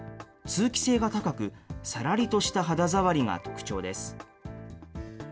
通気性が高く、さらりとした肌触りが特徴です。